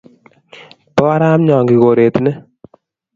Po arap Nyongi koret ni.